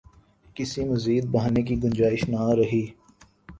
کسی مزید بہانے کی گنجائش نہ رہی۔